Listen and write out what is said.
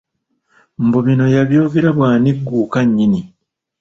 Bino mbu yabyogera bw'anigguuka nnyini.